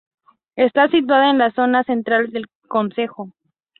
Está situada en la zona central del concejo.